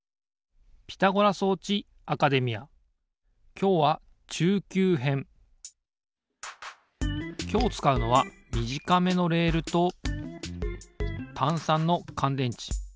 きょうはきょうつかうのはみじかめのレールとたん３のかんでんち。